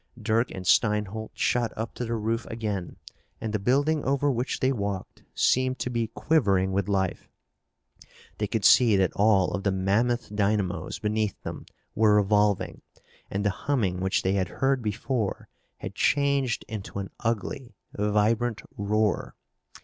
Dirk and Steinholt shot up to the roof again and the building over which they walked seemed to be quivering with life. They could see that all of the mammoth dynamos beneath them were revolving and the humming which they had heard before had changed into an ugly, vibrant roar.